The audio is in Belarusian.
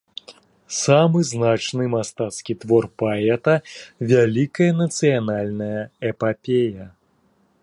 Самы значны мастацкі твор паэта, вялікая нацыянальная эпапея.